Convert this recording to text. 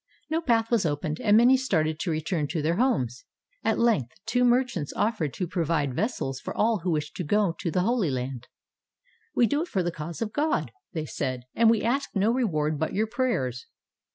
No path was opened, and many started to return to their homes. At length two merchants offered to pro vide vessels for all who wished to go to the Holy Land. "We do it for the cause of God," they said, "and we ask no reward but your prayers."